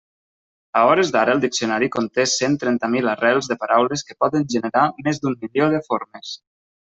A hores d'ara el diccionari conté cent trenta mil arrels de paraules que poden generar més d'un milió de formes.